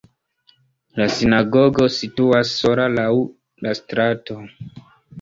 La sinagogo situas sola laŭ la strato.